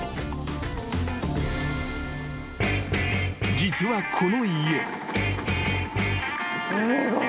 ［実はこの家］